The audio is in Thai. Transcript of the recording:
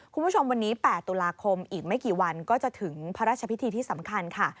คุณผู้ชมวันนี้๘ตุลาคมอีกไม่กี่วันก็จะถึงพระราชพิธีที่สำคัญค่ะ